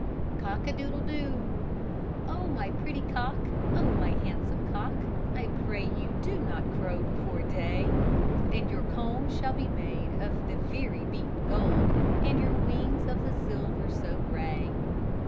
COCK A DOODLE DO Oh, my pretty cock, oh, my handsome cock, I pray you, do not crow before day, And your comb shall be made of the very beaten gold, And your wings of the silver so gray.